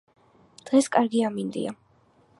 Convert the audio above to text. დღეს კარგი ამინდია.